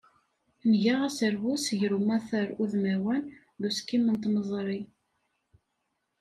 Nga aserwes gar umatar udmawan, d uskim n tmeẓri.